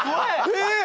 えっ？